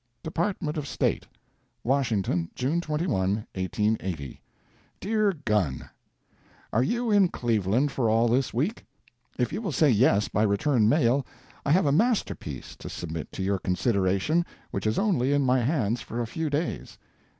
DEPARTMENT OF STATE Washington, June 21, 1880. Dear Gunn: Are you in Cleveland for all this week? If you will say yes by return mail, I have a masterpiece to submit to your consideration which is only in my hands for a few days.